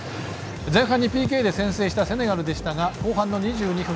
前半にＰＫで先制したセネガルでしたが、後半の２２分